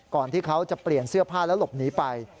ที่เขาจะเปลี่ยนเสื้อผ้าแล้วหลบหนีไป